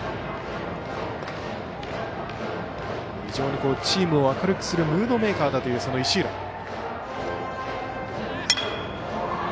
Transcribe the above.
非常にチームを明るくするムードメーカーだという石浦。